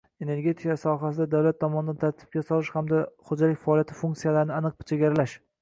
energetika sohasida davlat tomonidan tartibga solish hamda xo‘jalik faoliyati funksiyalarini aniq chegaralash